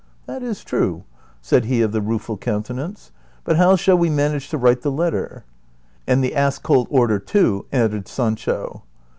" That is true," said he of the Rueful Countenance, " but how shall v.e manage to write the letter ?"" And the ass colt order too," added Sancho.